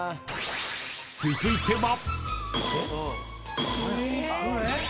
［続いては］